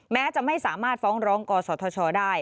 แม้จะไม่สามารถฟ้องร้องกศธชได้